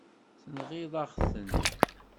Tenɣiḍ-aɣ-ten.